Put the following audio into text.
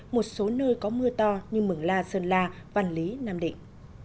một số nơi có mưa to như mường la sơn la văn lý nam định